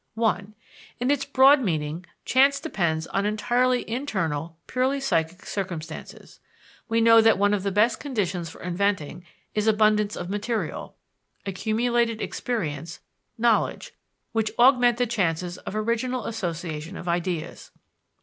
(1) In its broad meaning, chance depends on entirely internal, purely psychic circumstances. We know that one of the best conditions for inventing is abundance of material, accumulated experience, knowledge which augment the chances of original association of ideas.